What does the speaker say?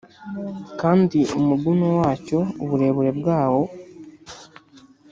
Kandi umuguno wacyo uburebure bwawo